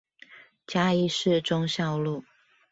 嘉義市忠孝路